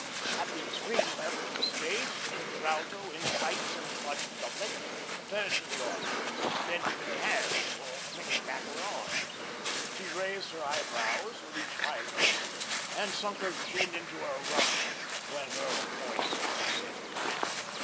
At the extreme left of the stage the contralto, in tights and plush doublet, turned to the audience, extending her hands, or flinging back her arms. She raised her eyebrows with each high note, and sunk her chin into her ruff when her voice descended.